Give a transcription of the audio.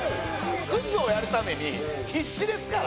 クズをやるために必死ですから。